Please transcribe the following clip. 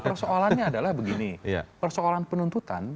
persoalannya adalah begini persoalan penuntutan